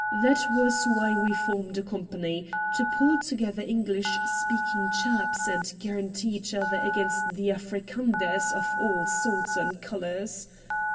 That was why we formed a company, to pull together English speaking chaps, and guarantee each other against the Afrikanders of all sorts and colours.